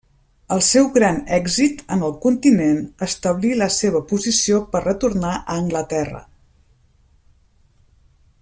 El seu gran èxit en el continent establí la seva posició per retornar a Anglaterra.